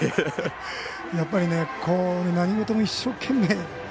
やっぱり、何事も一生懸命に。